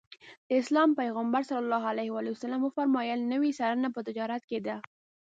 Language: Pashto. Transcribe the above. د اسلام پیغمبر ص وفرمایل نوې سلنه په تجارت کې ده.